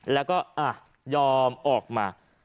แล้วก็ยอมออกมา